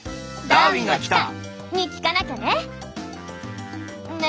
「ダーウィンが来た！」。に聞かなきゃね。